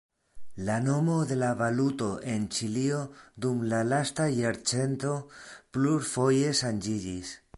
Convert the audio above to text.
La nomo de la valuto en Ĉilio dum la lasta jarcento plurfoje ŝanĝiĝis.